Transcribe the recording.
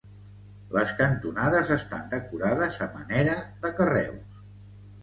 Les cantonades estan decorades a manera de carreus.